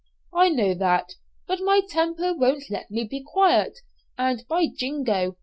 "I know all that, but my temper won't let me be quiet; and, by jingo!